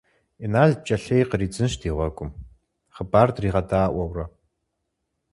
Инал пкӀэлъей къридзынщ ди гъуэгум, хъыбар дригъэдаӀуэурэ.